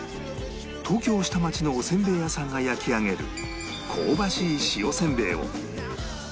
東京下町のおせんべい屋さんが焼き上げる香ばしい塩せんべいを